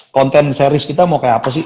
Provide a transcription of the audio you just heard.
konten series kita mau kayak apa sih